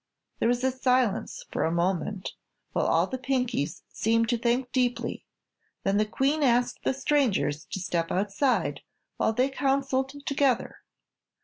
There was silence for a moment, while all the Pinkies seemed to think deeply. Then the Queen asked the strangers to step outside while they counseled together.